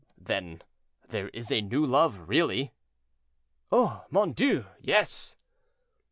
"Then there is a new love, really?" "Oh! mon Dieu! yes."